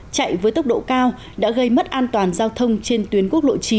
chạy với tốc độ cao đã gây mất an toàn giao thông trên tuyến quốc lộ chín